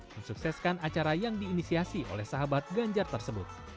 dan sukseskan acara yang diinisiasi oleh sahabat ganjar tersebut